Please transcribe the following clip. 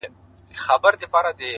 علم د انسان قدر لوړوي،